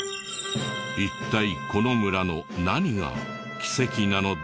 一体この村の何が奇跡なのだろうか？